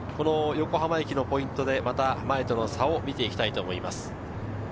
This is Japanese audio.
横浜駅のポイントで、また前との差を見ていきたいと思います。